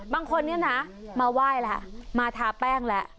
บางคนเนี่ยนะมาว่ายละมาทาแป้งละ